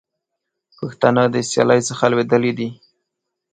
پښتانه د سیالۍ څخه لوېدلي دي.